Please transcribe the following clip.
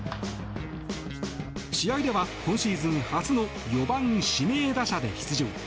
試合では今シーズン初の４番指名打者で出場。